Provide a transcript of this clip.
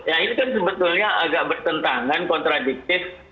ya ini kan sebetulnya agak bertentangan kontradiktif